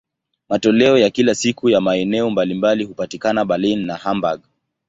Matoleo ya kila siku ya maeneo mbalimbali hupatikana Berlin na Hamburg.